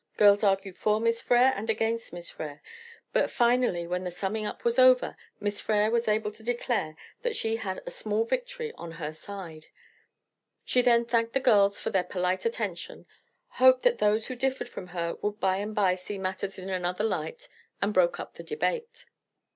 Girls argued for Miss Frere and against Miss Frere; but finally, when the summing up was over, Miss Frere was able to declare that she had a small victory on her side. She then thanked the girls for their polite attention, hoped that those who differed from her would by and by see matters in another light, and broke up the debate.